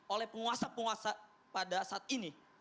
oleh penguasa penguasa pada saat ini